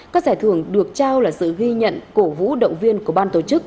các giải thưởng được trao là sự ghi nhận cổ vũ động viên của ban tổ chức